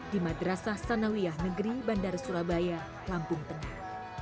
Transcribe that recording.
di madrasah sanawiyah negeri bandar surabaya lampung tengah